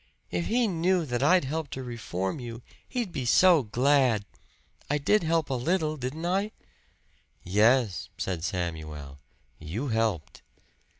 If he knew that I'd helped to reform you, he'd be so glad! I did help a little, didn't I?" "Yes," said Samuel. "You helped."